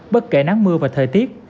bất kể nắng mưa và thời tiết